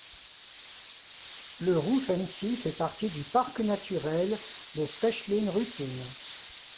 Le Roofensee fait partie du parc naturel de Stechlin-Ruppin.